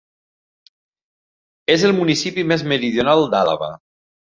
És el municipi més meridional d'Àlaba.